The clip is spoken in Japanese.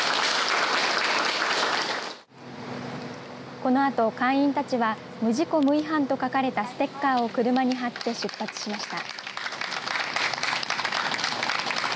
このあと会員たちは無事故・無違反と書かれたステッカーを車に貼って出発しました。